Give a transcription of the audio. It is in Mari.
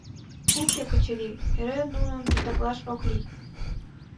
— Уке, Качыри, эре нуным титаклаш ок лий.